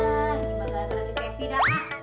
ini mah gara gara si cepi dah emak